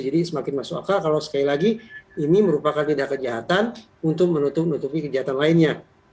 jadi semakin masuk akal kalau sekali lagi ini merupakan tindakan kejahatan untuk menutupi kejahatan lainnya